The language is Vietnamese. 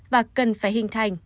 và cần phải hình thành